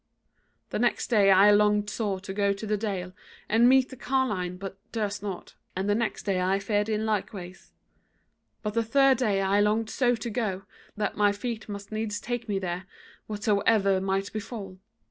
The next day I longed sore to go to the dale and meet the carline but durst not, and the next day I fared in likeways; but the third day I longed so to go, that my feet must needs take me there, whatsoever might befall.